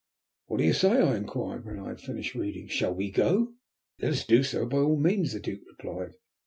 "What do you say?" I inquired, when I had finished reading, "shall we go?" "Let us do so by all means," the Duke replied.